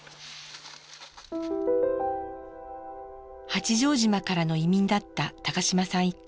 八丈島からの移民だった高島さん一家。